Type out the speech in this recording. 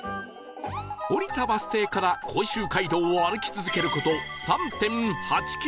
降りたバス停から甲州街道を歩き続ける事 ３．８ キロ